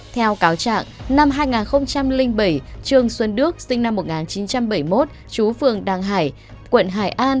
theo cáo trạng năm hai nghìn bảy trương xuân đức sinh năm một nghìn chín trăm bảy mươi một chú phường đàng hải quận hải an